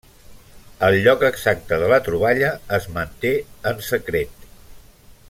El lloc exacte de la troballa es manté en secret.